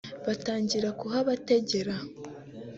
batangira kuhabategera